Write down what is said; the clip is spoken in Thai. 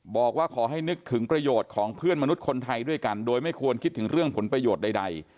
บอกว่าขอให้นึกถึงประโยชน์ของเพื่อนมนุษย์คนไทยด้วยกันโดยไม่ควรคิดถึงเรื่องผลประโยชน์ใด